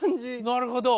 なるほど。